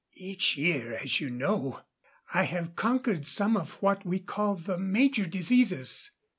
"Each year, as you know, I have conquered some of what we call the major diseases.